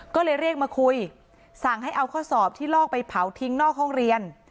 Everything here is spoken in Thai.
ก็เลยเรียกมาคุยสั่งให้เอาข้อสอบที่ลอกไปเผาทิ้งนอกห้องเรียน